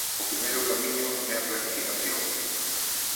O primeiro camiño é a planificación.